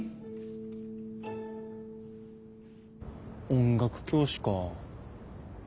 音楽教師か。